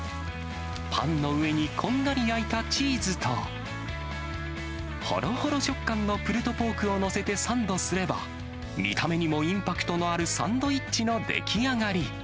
パンの上に、こんがり焼いたチーズと、ほろほろ食感のプルドポークを載せてサンドすれば、見た目にもインパクトのあるサンドイッチの出来上がり。